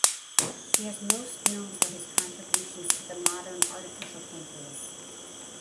He is most known for his contributions to the modern artificial pancreas.